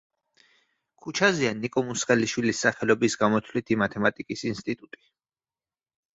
ქუჩაზეა ნიკო მუსხელიშვილის სახელობის გამოთვლითი მათემატიკის ინსტიტუტი.